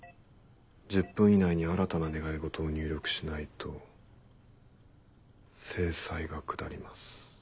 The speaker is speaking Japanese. １０分以内に新たな願い事を入力しないと制裁がくだります」。